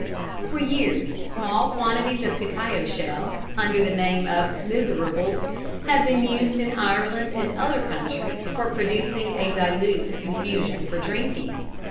For years small quantities of cacao shell, under the name of "miserables," have been used in Ireland and other countries for producing a dilute infusion for drinking.